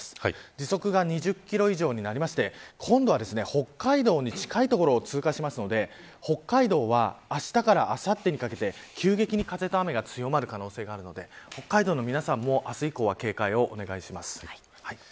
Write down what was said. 時速が２０キロ以上になりまして今度は、北海道に近い所を通過するので北海道はあしたからあさってにかけて急激に風と雨が強まる可能性があるので北海道の皆さんも明日以降は警戒をお願いします。